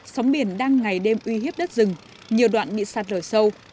sóng biển đang ngày đêm uy hiếp đất rừng nhiều đoạn bị sạt lở sâu